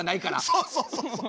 そうそうそうそう。